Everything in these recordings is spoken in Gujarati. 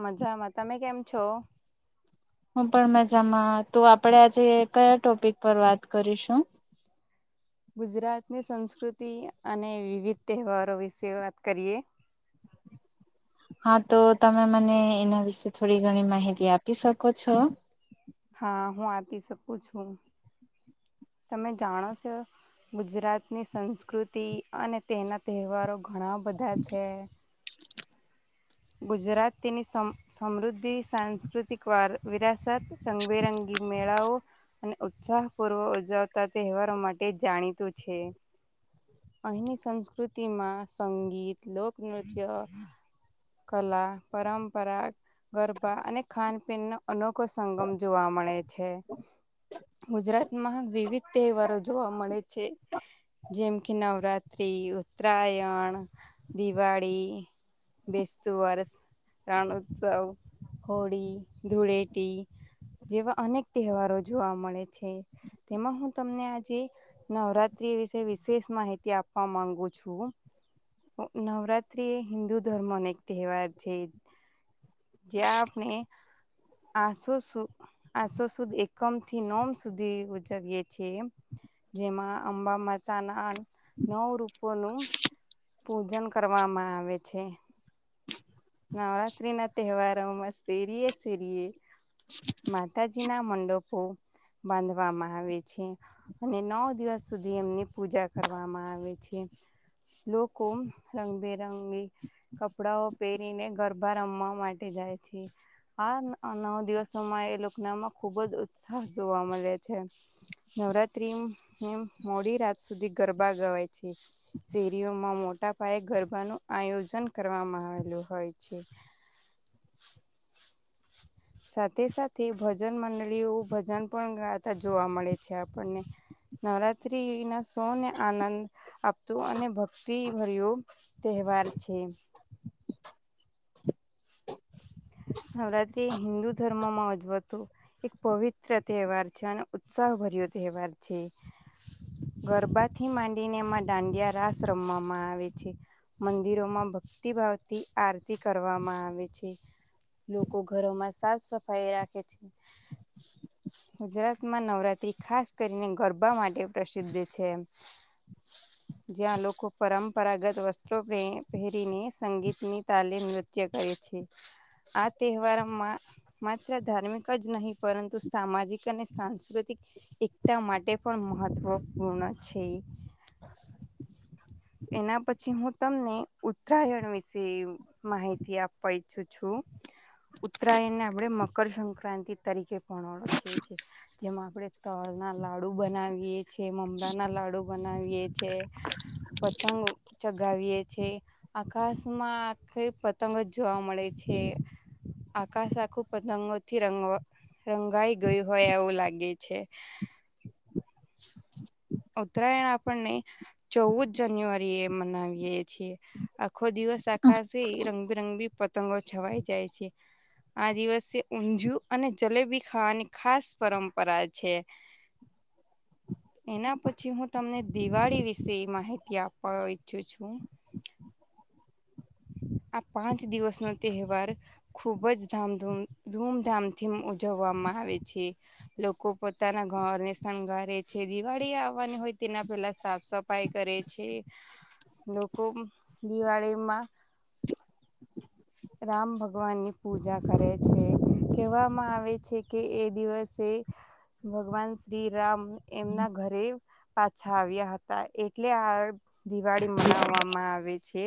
મજામાં, તમે કેમ છો? હું પણ માં, તો આપડે આજે કયા ટોપિક પર વાત કરીશું. ગુજરાતની સંસ્કૃતિ અને વિવિધ તહેવારો વિશે વાત કરીએ. હા તો તમે મને એના વિશે થોડી ઘણી માહિતી આપી શકો છો છું. તમે જાણો છો ગુજરાતની સંસ્કૃતિ અને તેના તહેવારો? ઘણા બધા છે, ગુજરાતની સમૃદ્ધિ સાંસ્કૃતિક વિરાસત રંગબેરંગી મેળાઓ, અને ઉત્સાહ પૂર્વ ઉજવતા તહેવારો માટે જાણીતું છે. અહીની સંસ્કૃતિમાં સંગીત, લોકનૃત્ય, કલા, પરંપરા ગરબા અને ખાન પીન ન અનોખો સંગમ જોવા મળે છે. ગુજરાતમાં વિવિધ તહેવારો જોવા મળે છે જેમ કે નવરાત્રિ, ઉત્તરાયણ, દિવાળી બેસતુ વર્ષ, રણઉત્સવ, હોળી, ધૂળેટી જેવા અનેક તહેવારો જોવા મળે છે, તેમાં હું તમને આજે નવરાત્રી વિશે વિશેષ માહિતી આપવા માંગુ છું. નવરાત્રીએ હિન્દુ ધર્મનો તતહેવાર છે જે આપને આસો આસો સુ એકમ થી નવમ સુધી ઉજવીએ છીએ, જેમાં અંબા માતાના નવ રૂપોનું પૂજન કરવામાં આવે છે. નવરાત્રી ના તહેવારો મા શેરીએ શેરીએ. માતાજી. જૂના મંડપો બાંધવામાં આવે છે અને નવ દિવસ સુધી એમની પૂજા કરવામાં આવે છે. લોકો રંગબેરંગી કપડાઓ પહેરીને ગરબા રમવા માટે જાય છે. આ નવ દિવસોમાં એ લોકોનામાં ખુબ જ ઉત્સાહ જોવા મળે છે. નવરાત્રી મોડી રાત સુધી ગરબા ગવાય છે. શેરીઓમાં મોટા પાયે ગરબાનું આયોજન કરવામાં આવે છે. ચાલુ હોય છે. સાથે સાથે ભજન મંડળીઓ ભજન પણ ગાતા જોવા મળે છે. આપણને નવરાત્રીનો સૌને આનંદ આપતો અને ભક્તિભર્યો તહેવાર છે. નવરાત્રી હિન્દુ ધર્મમાં ઉજવતો એક પવિત્ર તહેવાર છે અને ઉત્સાહભર્યો તહેવાર છે. ગરબાથી માંડીને એમાં દાંડિયા રાસ રમવામાં આવે છે. મંદિરોમાં ભક્તિભાવથી આરતી કરવામાં કરવામાં આવે છે. લોકો ઘરોમાં સાફ-સફાઈ રાખે છે. ગુજરાતમાં નવરાત્રી ખાસ કરીને ગરબા માટે પ્રસિદ્ધ છે, જ્યાં લોકો પરંપરાગત વસ્ત્રો પહેરીને ની સંગીત ની તાલી નૃત્ય આ તહેવારમાં માત્ર ધાર્મિક જ નહીં પરંતુ સામાજિક અને સાંસ્કૃતિક એકતા માટે પણ મહત્વપૂર્ણ છે. એના પછી હું તમને ઉતરાયણ વિશે માહિતી થી આપવા ઈરછુ છું. ઉત્તરાયણને આપણે મકરસક્રાંતિ તરીકે પણ ઓળખી છીએ, જેમાં આપણે તળ ના લાડુ બનાવીએ છીએ. કે મમરા ના લાડુ. બનાવીએ છે, પતંગ ચગાવીએ છે. આકાશમાં આખે તંગો જ જોવા મળે છે. આકાશ આખું પતંગોથી રંગવા રંગાઈ ગયું હોય એવું લાગે છે. ઉતરાયણ આપણને ચૌદ જાન્યુઆરી એ મનાવીયે છીએ. આખો દિવસ આખાશે છે રંગ એવી પતંગો છવાઈ જાય છે. આ દિવસે ઊંધયું અને જલેબી ખાવાની ખાસ પરંપરા છે. એના પછી હું તમને દિવાળી વિશે માહિતી આપવા ઈચ્છું છું. આ પાંચ દિવસ નો તહેવાર ખુબ જ ધામધૂમ ધૂમધામથી ઉજવવામાં આવે છે. લોકો પોતાના ઘરને શણગારે છે. દિવાળી આવવાની હોય તેના પેલા સાફ-સફાઈ કરે છે. લોકો દિવાળીમાં રામ ભગવાન ની પૂજા કરે છે. કહેવામાં આવે છે કે એ દિવસે ભગવાન શ્રી રામ એમના ઘરે પાછા આવ્યા હતા. એટલે આ દિવાળી મનાવવામાં આવે છે.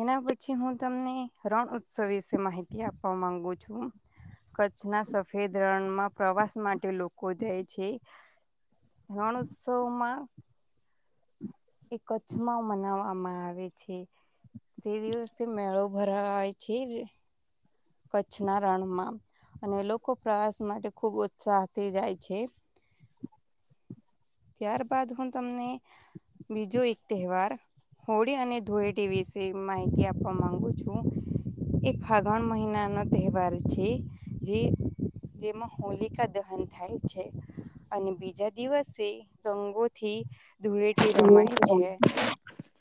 એના પછી હું તમને રણ ઉત્સવ વિશે માહિતી આપવા માંગુ છું. કચ્છના સફેદ રણમાં પ્રવાસ માટે લોકો જાય છે. રણ ઉત્સવમાં એ કચ્છમાં મનાવવામાં આવે છે. તે દિવસે મેળો ભરાવાય છે કચ્છના રણમાં. અને લોકો પ્રવાસ માટે ખુબ ઉત્સાહથી જાય છે. ત્યારબાદ હું તમને બીજો એક તહેવાર હોળી અને ધૂળેટી વિશે માહિતી આપવા માંગુ છું. એક ફાગણ મહિના ન તહેવાર છે, જે-જેમાં હોલિકા દહન થાય છે અને બીજા દિવસે રંગોથી ધૂળેટી રમાય છે.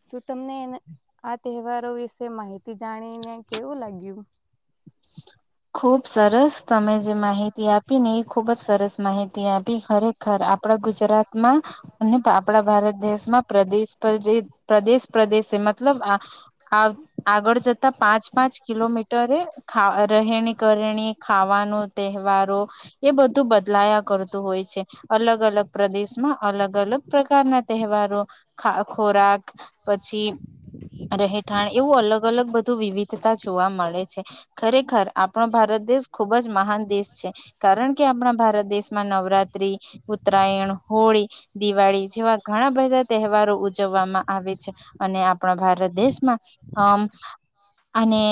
શું તમને એને આ તહેવારો વિશે માહિતી જાણીને કેવું લાગ્યું? ખુબ સરસ. તમે જે માહિતી આપીને એ ખૂબ જ સરસ માહિતી આપી. ખરેખર આપણા ગુજરાતમાં અને આપણા ભારત દેશમાં પ્રદેશ-પ્રદે-પ્રદેશ પ્રદેશ છે. મતલબ આહ આહ આગળ જત તો પાંચ-પાંચ કિલોમીટરે ખા રહેણી ધરણી, ખાવાનું તહેવારો એ બધું બદલાયા કરતું હોય છે. અલગ અલગ પ્રદેશમાં અલગ અલગ પ્રકારના તહેવારો, ખા-ખોરાક પછી રહેઠાણ એવું અલગ અલગ બધું વિવિધતા જોવા મળે છે. ખરેખ આપણો ભારત દેશ ખૂબ જ મહાન દેશ છે. કારણ કે આપણા ભારત દેશમાં નવરાત્રી, ઉત્તરાયણ, હોળી, દિવાળી જેવા ઘણા બધા તહેવારો ઉજવવામાં આવે છે. અને આપણા ભારત દેશમાં આમ્મ અને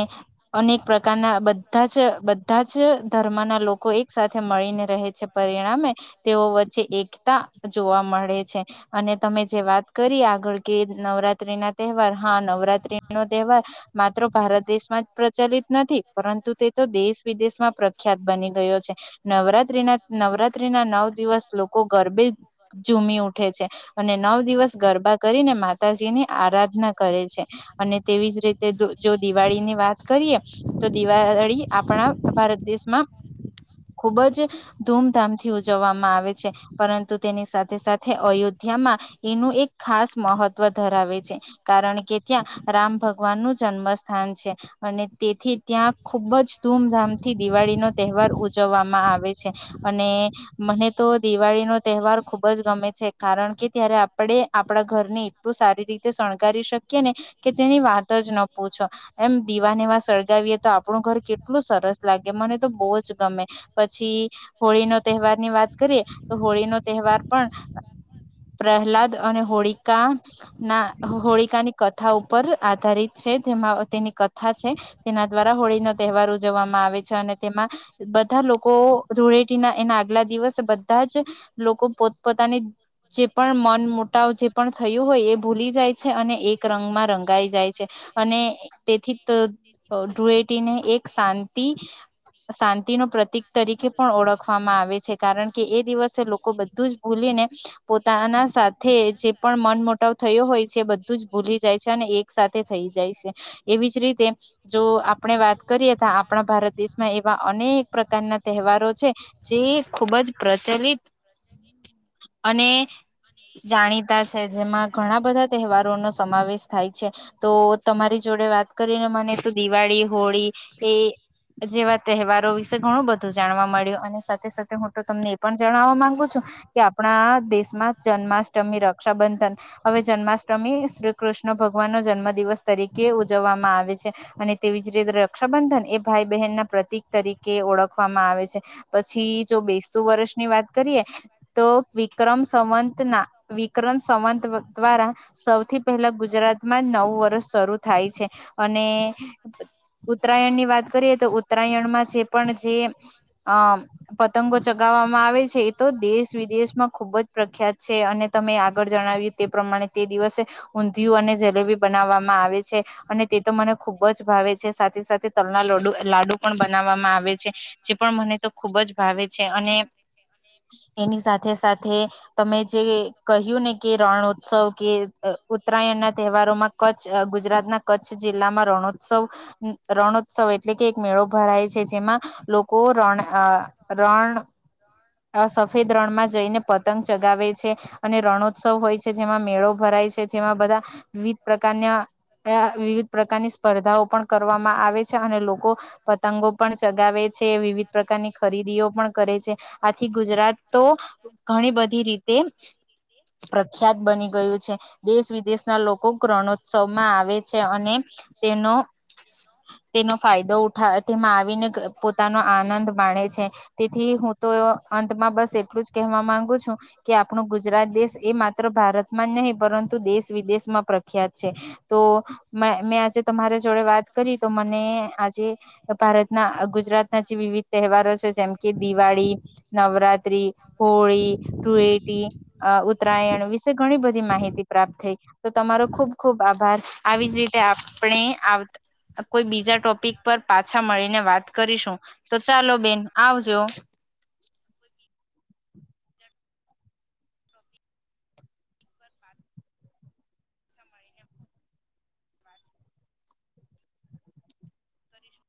અનેક પ્રકારના બધ બધા જ બધા જ ધર્મના લોકો એક સાથે મળીને રહે છે. પરિણામ તેઓ વચ્ચે એકતા જોવા મળે છે. અને તમે જે વાત કરી આગળ કે નવરાત્રી ના તેહવાર હા નવરાત્રી નો તેહવાર માત્ર ભારત દેશ માં પ્રચલિત નથી પરં તે તો દેશ વિદેશમાં પ્રખ્યાત બની ગયો છે. નવરાત્રીના નવરાત્રીના નવ દિવસ લોકો ગરબે ઝૂમી ઉઠે છે. અને નવ દિવસ ગરબા કરીને માતાજી ની આરાધના કરે છે. અને તેવીજ રીતે દો જો દીવાળી ની વાર કરીએ તો દીવા થે અયોધ્યા માં એનું એક ખાસ મહત્વ ધરાવે છે. કારણ કે ત્યાં રામ ભગવાન નું જન્મ સ્થાન છે. અને તેથી ત્યાં ખુબજ ધૂમધામ થી દિવાળી નો તહેવાર ઉજવવામાં આવે છે. અને મને તો દિવાળી નો તહેવાર ખુબજ ગમે છે કારણ કે ત્યારે આપડે આપડા ઘર ને એટલું સારી રીતે સંકાળી શકે ને કે તેની વાતજ ના પૂછો. એમ દીવા ને એવા આંગળીએ તો આપણું ઘર કેટલું સરસ લાગે મને તો બહુજ ગમે પછી હોળીનો તેહવાર ની વાત કરીએ તો હોળી ના તેહવાર પણ આહ પ્રહલાદ અને હોળીકા ના હોળીકા ની કથા ઉપર આધારિત છે તેમાં તેની કથા છે. તેના દ્વારા હોળીનો તહેવાર ઉજવવામાં આવે છે અને તેમાં બધા લોકો ધુળેટી ના એના આગલા દિવસ બધાજ લોકો પોત પોતાની જે પણ મન મુટાવ જે પણ થયું હોય એ ભૂલી જાએ છે અને એક રંગ માં રંગાઈ જાએ છે. અને તેથી તો ધૂળેટીનું એક શાંતિ શાંતિ નો પ્રતીક તરીકે પણ ઓળખવામા આવે છે કારણ કે એ દિવસે લોકો ભઘુજ ભૂલી ને પોતાના સાથે જે પણ મન મુટાવ થયોં હોએ છે બધુંજ ભૂલી જાએ છે અને સાથે થઈ જાએ છે એવીજ રીતે જો આપણે વાત કરીએ તો આપણા ભારત દેશમાં એવા અનેક પ્રકારના તહેવારો છે જે ખુબજ પ્રચેલિત અને જાણી તા છે જેમાં ઘણા બધા તહેવારો નો સમાવેશ થાય છે. તો તમારી છોડે વાત કરીને મને દિવાળી હોળી એ જેવા તહેવારો વિશે ઘણું બધું જાણવા મળ્યું અને સાથે સાથે હું તો તમને એ પણ જણાવવા માં અને તેવી જ રીતે રક્ષાબંધન એ ભાઈ બહેન ના પ્રતિક તરીકે ઓળખવામાં આવે છે. પછી જો બેસતું વર્ષની વાત કરીએ ઉત્તરાયણ ની વાત કરીએ તો ઉત્તરાયણમાં છે પણ જે અ પતંગો ચગાવવામાં આવે છે એ તો દેશ વિદેશમાં ખુબ જ પ્રખ્યાત છે. અને ખુબ જ ભાવે છે સાથે સાથે તલના લડુ લાડુ પણ બનાવવામાં આવે છે જે પણ મને તો ખુબ જ ભાવે છે. અને એની સાથે સાથે તમે જે કહ્યું ને કે રણોત્સવ રણોત્સવ રણોત્સવ એટ એટલે કે એક મેળો ભરાય છે જેમાં લોકો રણ રણ સ્પર્ધાઓ પણ કરવામાં આવે છે. અને લોકો પતંગો પણ ચગાવે છે. વિવિધ પ્રકારની ખરીદીઓ પણ કરે તેનો તેનો ફા યદો ઉઠાવે તેમાં આવીને પોતાનો આનંદ માણે છે. તેથી હું તો અંતમાં બસ એટલું જ કહેવા માંગુ છું કે આપણું ગુજરાત દેશ એ માત્ર ભારતમાં જ નહીં પરંતુ દેશ વિદેશમાં પ્રખ્યાત છે. તો મે મેં આજે તમારા જોડે વાત કરી તો મને ભારતના ગુજરાતના જે વિવિધ તહેવારો છે જેમ કે દિવાળી નવરાત્રી હોળી ધૂળેટી અ ઉત્તરાયણ વિશે ઘણી બધી માહિતી પ્રાપ્ત થય. [inaudible] તો તમારો ખૂબ ખૂબ આભાર. આવી જ રીતે આપ ને આવ કોઈ બીજા ટોપિક પર પાછા મળીને વાત કરીશું. તો ચાલો બેન આવજો. મળીને કરીશું.